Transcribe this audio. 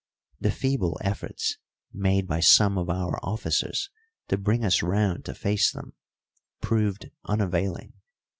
The feeble efforts made by some of our officers to bring us round to face them proved unavailing.